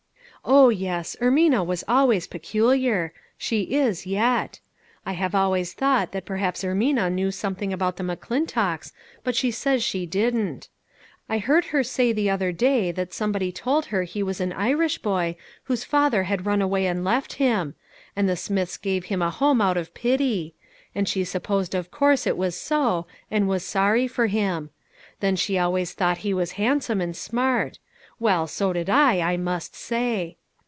" O yes, Ermina was always peculiar ; she is yet. I have always thought that perhaps Ermina knew something about the McClintocks, but she says she didn't. I heard her say the other day that somebody told her he was an Irish boy, whose father had run away and left him ; and the Smiths gave him a home out of pity ; and she supposed of course it was so, and was sorry for him. Then she always thought he was THE PAST AND PRESENT. 427 handsome, and smart ; well, so did I, 1 must say."